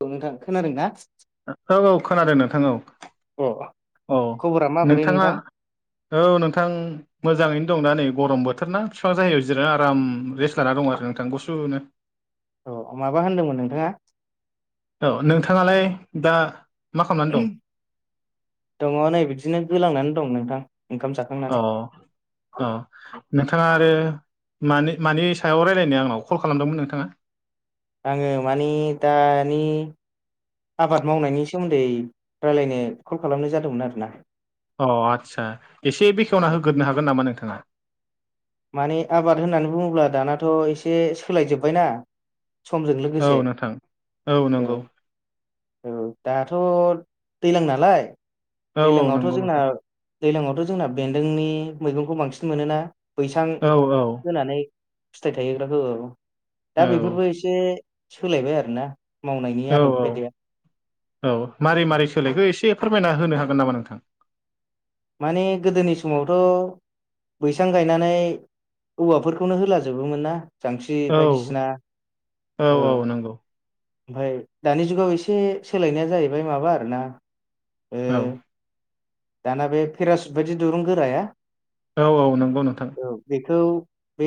औ नोंथां खोनादों ना? औ औ खोनादों नोंथां औ अ औ खबरा माबोरै नोंथाङा नोंथां औ नोंथां मोजाङैनो दं दा नै गरम बोथोर ना फिफां जायगायाव जिरायना आराम रेस्ट लाना दंङ आरो नोंथां गुसुनो। अ माबा होनदोंमोन नोंथाङा? औ नोंथाङालाय दा मा खालामनानै दं [unintelligible] दङ नै बिदिनो गोलांनानै दं नोंथां। ओंखाम जाखांनानै अ' अ' नों थाङा आरो मानि मानि सायाव रायलायनो आंनाव कल खालामदोंमोन नोंथाङा? आङो मानि दानि आबाद मावनायनि सोमोन्दै रायलायनो कल खालामनाय जादोंमोन आरो ना। अ आदसा एसे बेखेवना होग्रोनो हागोन नामा नोंथाङा? माने आबाद होननानै बुङोब्ला दानाथ' एसे सोलायजोब्बायना। समजों औ लोगोसे नोंथां औ औ दाथ' दैलां नालाय औ दैलां औ आवथ' नंगौ जोंना नोंथां दैलांआवथ' जोंना बेन्दोंनि मैगंखौ बांसिन मोनोना बैसां औ होनानै। फिथाइ थायहोग्राखौ औ औ दा बेफोरबो एसे सोलायबाय आरोना। मावनायनि औ आदब खायदाया औ औ मारै मारै सोलायखो एसे फोरमायना होनो हागोन नामा नोंथां? माने गोदोनि समावथ' बैसां गायनानै औवाफोरखौनो होलाजोबोमोन ना। जांख्रि औ बायदिसिना औ। ओमफाय दानि जुगाव एसे सोलायनाया जाहैबाय माबा आरोना ओ औ। दाना बे पेरासुट बायदि दिरुं गोराया औ औ नंगौ नोंथां। बेखौ बे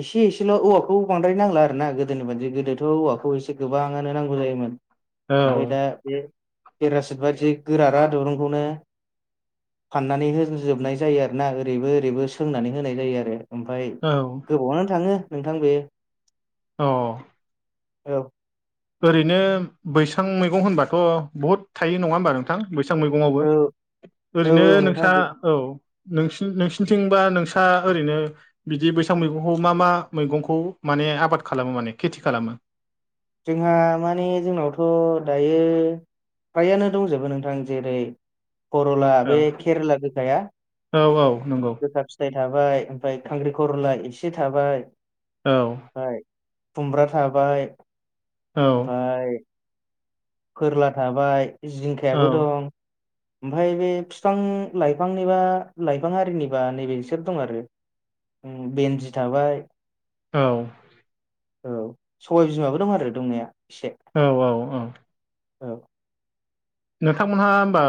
एसे एसेल' औवाखौ बांद्राय नांला आरो ना गोदोनि बादि गोदोथ' औवाखौ एसे गोबांङानो नांगौ जायोमोन। औ ओमफाय दा बे पेरासिट बायदि गोरारा दुरुंखौनो फाननानै होजोबनाय जायो आरोना ओरैबो ओरैबो सोंनानै होनाय जायो आरो। ओमफाय औ गोबावानो थाङो नोंथां बेयो। अ' औ। ओरैनो बैसां मैगं होनबाथ' बहुद थायो नङा होनबा नोंथां। बैसां मैगंआवबो औ औ ओरैनो औ नोंथां नोंसा औ। नोंसिनि नोंसिनिथिंबा नोंसा ओरैनो बिदि बैसां मैगंखौ मा मा मैगंखौ मा ने आबाद खालामो माने खेथि खालामो जोंहा माने जोंनावथ' दायो फ्रायानो दंजोबो नोंथां जेरै कर'ला औ बे केरेला गोखाया औ औ नंगौ गोखा फिथाइ थाबाय ओमफाय खांख्रि खरला एसे थाबाय औ ओमफाय खुमब्रा थाबाय औ ओमफाय फोरला थाबाय, जिंखायाबो दं ओमफाय बे फिफां लाइफांनिबा लाइफां आरिनिबा नैबे बिसोर दं आरो उम बेन्जि थाबाय औ औ सबाय बिमाबो दं आरो दंनाया एसे औ औ औ अ औ नोंथांमोनहा होमबा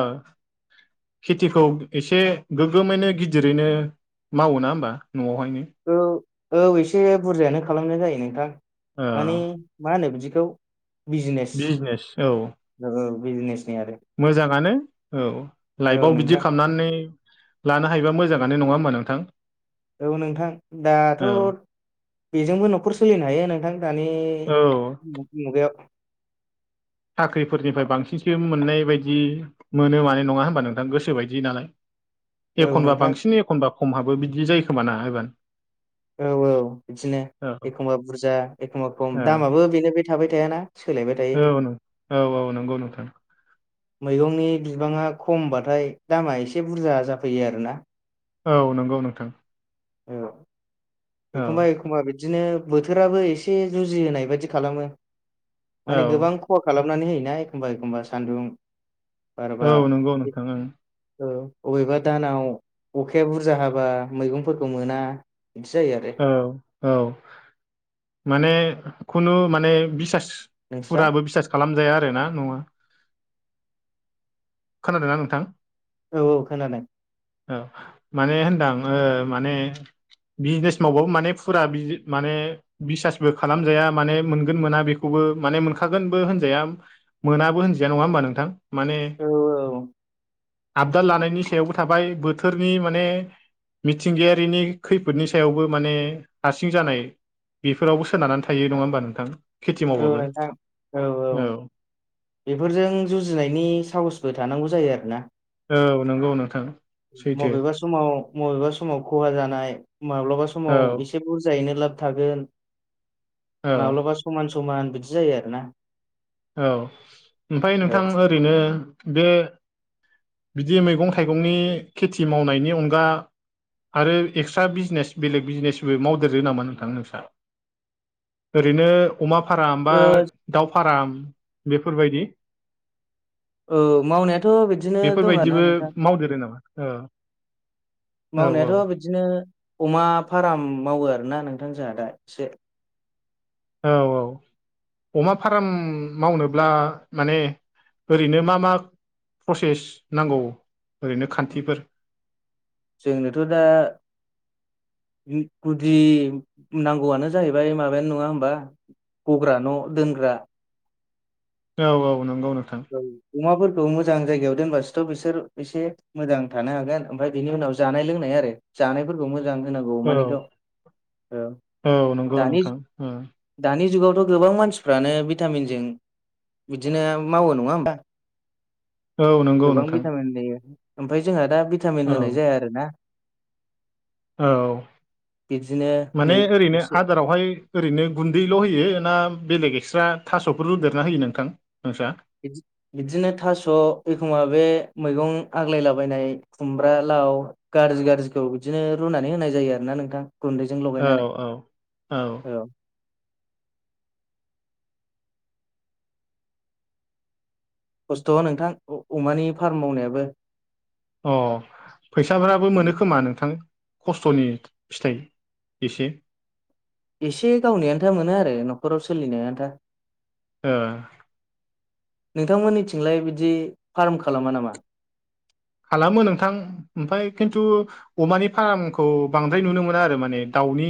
खेथिखौ एसे गोगोमैनो गिदिरैनो मावो ना होमबा न'आवहायनो औ औ एसे बुरजायानो खालामनाय जायो नोंथां ओ मानि मा होनो बिदिखौ बिजनेस औ बिजनेसनि आरो मोजाङानो औ औ लाइफआव बिदि नोंथां खामनानै लानो हायोबा मोजाङानो नङा होमबा नोंथां औ नोंथां दाथ' औ बेजोंबो न'खर सोलिनो हायो नोंथां दानि औ मुगायाव साख्रिफोरनिफ्राय बांसिनसो मोननाय बायदि मोनो माने नङा होमबा नोंथां गोसो बायदि नालाय औ एखनबा नोंथां बांसिन एखनबा खमहाबो बिदि जायो खोमा ना होगोन औ औ बिदिनो एखमबा बुरजा एखमबा औ खम दामाबो बेनो बे थाबाय थायाना सोलायबाय थायो औ औ औ नंगौ नोंथां मैगंनि बिबाङा खमबाथाय दामा एसे बुरजा जाफैयो आरोना औ नंगौ नोंथां औ औ एखमबा एखमबा बि दिनो बोथोराबो एसे जुजिहोनाय बायदि खालामो औ माने गोबां खहा खालामनानै होयोना एखमबा एखमबा सान्दुं बारबा औ नंगौ नोंथां ओं औ अबेबा दानाव अखाया बुरजा हाबा मैगंफोरखौ मोना बिदि जायो आरो औ औ माने खुनु माने बिसास नोंस्रा फुराबो बिसास खालाम जाया आरोना ना खोनादों ना नोंथां औ औ खोनादों औ माने होनदां ओ माने बिजनेस मावबाबो माने फुरा माने बिसासबो खालामजाया माने मोनगोन मोना बेखौबो माने मोन खागोनबो होनजाया मोनाबो होनजाया नङा होमबा नोंथां माने औ आबदाल लानायनि सायावबो थाबाय बोथोरनि माने मिथिंगायारिनि खैफोदनि सायावबो माने हारसिं जानाय बेफोरावबो सोनारनानै थायो नङा होमबा नोंथां खेथि ओ मावबाबो नोंथां औ औ बेफोरजों जुजिनायनि साहसबो थानांगौ जायो आरो ना औ नंगौ नोंथां सैथो बबेबा समाव बबेबा समाव खहा जानाय माब्लाबा औ समाव एसे बुरजा गायनो लाब थागोन औ माब्लाबा समान समान बिदि जायो आरोना औ ओमफ्राय औ नोंथां ओरैनो बे बिदि मैगं थाइगंनि खेथि मावनायनि अनगा आरो एक्सट्रा बिजनेस बेलेग बिजनेसबो मावदेरो नामा नोंथां नोंस्रा? ओरैनो अमा फाराम बा ओ दाउ फाराम बेफोरबायदि? औ मावनायाथ' बिदिनो दं आरोना बेफोरबायदिबो नोंथां मावदेरो नामा? ओ मावनायाथ' बिदिनो अमा फाराम मावो आरोना नोंथां जोंहा दा एसे। औ औ अमा फाराम मावनोब्ला माने ओरैनो मा मा प्रसेस नांगौ ओरैनो खान्थिफोर? जोंनोथ' दा गुदि नांगौआनो जाहैबाय माबायानो नङा होमबा गग्रा न' दोन ग्रा औ औ नंगौ नोंथां औ अमाफोर ओं मोजां जायगायाव दोनबासोथ' बिसोर एसे मोजां थानो हागोन ओमफ्राय बेनि उनाव जानाय लोंनाय आरो। जानायफोरखौ मोजां होनांगौ औ माने गाव ओ औ नंगौ दानि नोंथां औ दानि जुगाव थ' गोबां मानसिफ्रानो भिटामिनजों बिदिनो मावो नङा होमबा। औ नंगौ गोबां नोंथां भिटामिन होयो ओमफ्राय जोंहा दा भिटामिन औ होनाय जाया आरो ना। औ बिदिनो माने मै ओरैनो एसे आदारावहाय ओरैनो गुन्दैल' होयो ना बेलेग एक्स्रा थासफोर रुदेरना होयो नोंथां नोंसा? बिदि बिदिनो थास एखमबा बे मैगं आग्लायलाबायनाय खुमब्रा ला लाउ गाज्रि गाज्रिखौ बिदिनो रुनानै होनाय जायो आरो ना नोंथां। गुन्दैजों औ लगायनानै औ औ। खस्थ नोंथां अमानि फार्म मावनायाबो। अ फैसाफोराबो मोनो खोमा नोंथां? खस्थनि फिथाइ एसे। एसे गावनि आन्था मोनो आरो नखराव सोलिनो आन्था। ओ नोंथांमोननि थिंलाय बिदि फार्म खालामा नामा? खालामो नोंथां ओमफाय खिन्थु अमानि फार्मखौ बांद्राय नुनो मोना आरो माने दाउ दावनि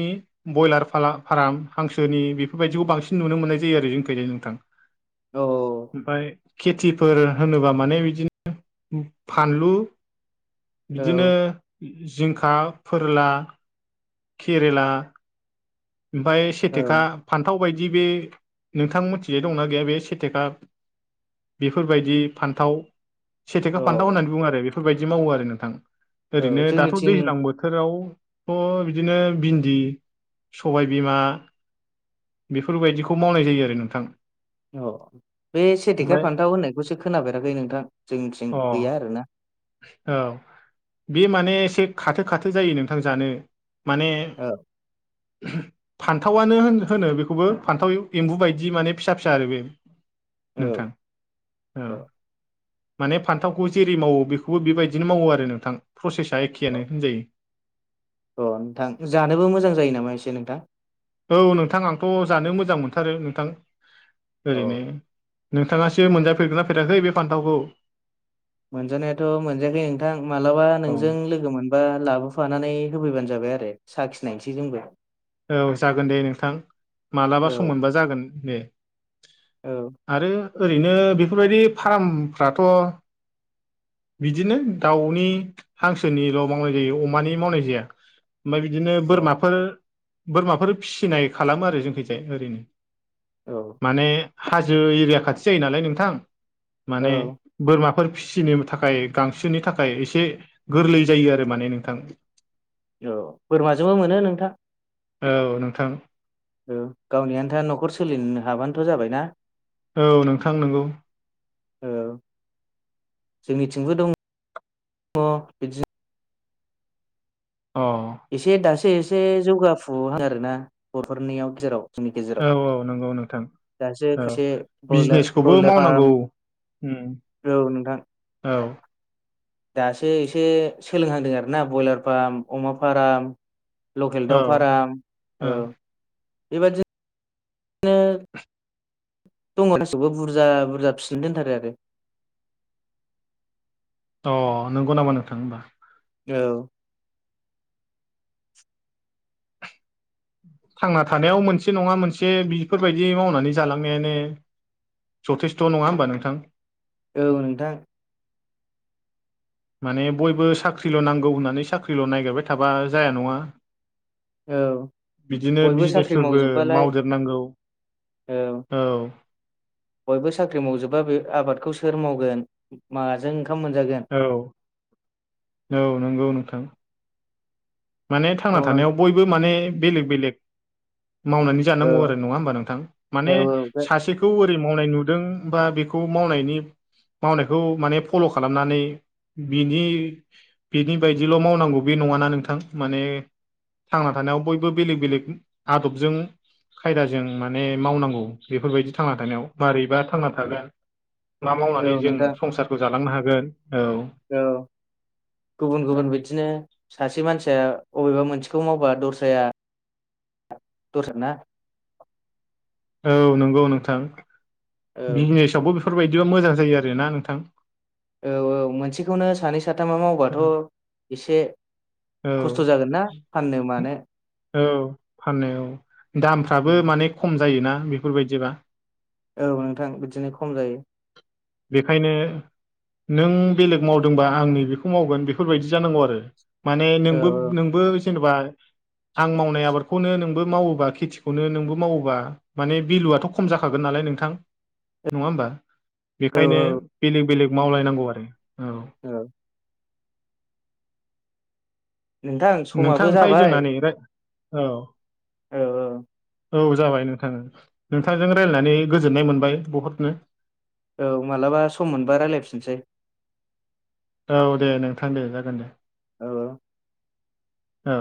ब्रयलार फाला फाराम हांसोनि बेफोरबायदिखौ बांसिन नुनो मोननाय जायो आरो जोंनिखैजाय नोंथां। औ ओमफाय खेथिफोर होनोबा माने बिदिनो फानलु बिदिनो औ जिंखा, फोरला केरेला ओमफाय सेथेखा औ फान्थाव बायदि बे नोंथां मोनथिजाय दंना गैया बे सेटेका बेफोरबायदि फान्थाव सेथेखा फान्थाव औ होननानै बुङो आरो बेफोरबायदि मावो आरो नोंथां। औ ओरैनो दाथ' जोंनिथिं दैज्लां बोथोरावथ' बिदिनो भिन्दि सबाइ बिमा बेफोरबायदिखौ मावनाय जायो आरो नोंथां। अ बे सेथिखा ओमफ्राय फान्थाव होननायखौसो खोनाफेराखै नोंथां जोंनिथिं अ गैया आरोना। औ बे माने एसे खाथो खाथो जायो नोंथां जानो। माने औ फान्थावानो होन होनो बेखौबो फान्थाव एम्बु बायदि माने फिसा फिसा आरो बे। नोंथां औ औ माने फान्थावखौ जेरै मावो बेखौ खौबो बेबायदिनो मावो आरो नोंथां प्रसेसा औ एखेयानो होनजायो। अ नोंथां जानोबो मोजां जायो नामा एसे नोंथां? औ नोंथां आंथ' जानो मोजां मोनथारो नोंथां अ ओरैनो नोंथांङासो मोनजाफेरगोना फेराखै बे फान्थावखौ। मोनजानायाथ मोनजायाखै नोंथां मालाबा औ नोंजों लोगो मोनबा लाबो होफानानै होफैबानो जाबाय आरो साखिनायसै जोंबो। औ जागोन दे नोंथां मालाबा औ सम मोनबा जागोन दे। औ आरो ओरैनो बेफोरबायदि फार्मफ्राथ बिदिनो दाउनि हांसोनिल मावनाय जायो अमानि मावनाय जाया। ओमफाय बिदिनो औ बोरमाफोर बोरमाफोर फिसिनाय खालामो आरो जोंखिजाय ओरैनो। औ माने हाजो एरिया खाथि जायो नालाय नोंथां। माने औ बोरमाफोर फिसिनो थाखाय गांसोनि थाखाय एसे गोरलै जायो आरो माने नोंथां। औ बोरमाजोंबो मोनो नोंथां ‌। औ नोंथां। औ गावनि आनथा नखर सोलिनो हाबानोथ जाबाय ना। औ नोंथां नंगौ। औ जोंनिथिंबो दं दंङ बिदिनो। अ एसे दासो एसे जौगाफु आरोना बरफोरनियाव गेजेराव। जोंनि गेजेराव औ औ नंगौ नोंथां दासो औ खायसे ब्रयलार बिजनेसखौबो ब्रयलार मावनांगौ। फार्म उम औ नोंथां औ। दासो एसे सोलोंहांदों आरोना ब्रयलार फार्म अमा फार्म लकेल औ दाउ फाराम औ। बेबायदि नो दङ गाैखौबो बुरजा बुरजा फिसिनो दोनथारो आरो। अ नंगौ नामा नोंथां होमबा। औ। थांना थानायाव मोनसे नङा मोनसे बेफोरबायदि मावनानै जालांनायानो जथेस्थ' नङा होमबा नोंथां। औ नोंथां। माने बयबो साख्रिल' नांगौ होननानै साख्रिल' नायागिरबाय थाबा जाया नङा औ बिदिनो बयबो साख्रि बिजनेसफोरबो मावजोबबालाय मावदेरनांगौ। औ औ। बयबो साख्रि मावजोबा बे आबादखौ सोर मावगोन माजों ओं औ औ नंगौ नोंथां। माने थांना मावनां थानायाव बयबो माने बेलेग बेलेग मावनानै औ जानांगौ आरो नङा होमबा नोंथां माने औ औ सासेखौ जै मावनाय नुदों बा बेखौ मावनायनि मावनायखौ माने फल' खालामनानै बिनि बिनि बायदिल' मावनांगौ बे नङाना नोंथां माने थांना थानायाव बयबो बेलेग बेलेग आदबजों खायदाजों माने मावनांगौ बेफोरबायदि थांना थानायाव मारैबा थांना थागोन मा औ मावनानै जों नोंथां संसारखौ जालांनो हागोन औ औ गुबुन गुबुन बिदिनो सासे मानसिया अबेबा मोनसेखौ मावबा दस्राया दस्र ना औ नंगौ नोंथां औ बिजनेसावबो बे फोरबायायदिबा मोजां जायो आरोना नोंथां? औ औ मोनसेखौनो सानै साथामा औ मावबाथ' एसे खस्थ' जागोन ना फाननो मानो औ फाननाय औ दामफ्राबो माने खम जायोना बेफोरबायदिबा। औ नोंथां बिदिनो खम जायो। बेखायनो नों बेलेग मावदोंबा आंनि बेखौ मावगोन बेफोरबायदि जानांगौ आरो। माने औ नोंबो नोंबो जेनेबा आं मावनाय आबादखौनो नोंबो मावोबा खेथिखौनो नोंबो मावोबा माने भेलुआथ' खम जाखागोन दालाय नोंथां नङा होमबा? औ बेखायनो बेलेग-बेलेग मावलायनांगौ आरो औ। नोंथां समाबो नोंथां ओमफाय जोंहा नै राय औ। औ-औ। औ जाबाय नोंथां-नोंथांजों रायलायनानै गोजोननाय मोनबाय बहुदनो। औ मालाबा सम मोनबा रायलायफिनसै। औ दे नोंथां दे जागोन दे। औ-औ। औ।